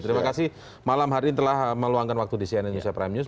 terima kasih malam hari ini telah meluangkan waktu di cnn indonesia prime news